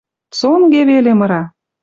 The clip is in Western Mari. Цонге веле мыра!